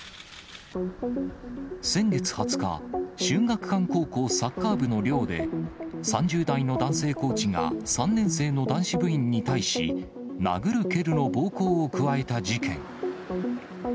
先月２０日、秀岳館高校サッカー部の寮で、３０代の男性コーチが３年生の男子部員に対し、殴る蹴るの暴行を加えた事件。